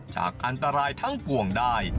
จากอันตรายทั้งปวงได้